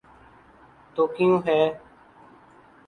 تو کیوں ہے؟